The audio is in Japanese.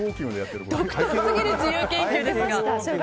独特すぎる自由研究ですが。